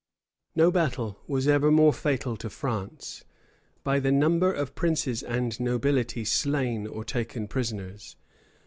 No battle was ever more fatal to France, by the number of princes and nobility slain or taken prisoners.